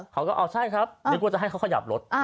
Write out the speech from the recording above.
เขาก็อ้อใช่ครับนี่กลัวจะให้เขาขยับรถ